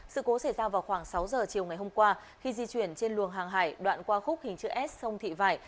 điều xảy ra vào khoảng sáu h chiều ngày hôm qua khi di chuyển trên luồng hàng hải đoạn qua khúc hình chữ s sông thị vải